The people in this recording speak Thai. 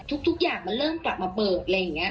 ทุกอย่างมันเริ่มกลับมาเบิกอะไรอย่างนี้